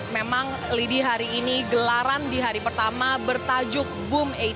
memang lady hari ini gelaran di hari pertama bertajuk boom delapan belas